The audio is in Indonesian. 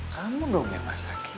kamu dong yang masak